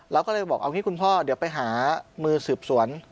เราก็เลยบอกเอางี้คุณพ่อเดี๋ยวไปหามือสืบสวน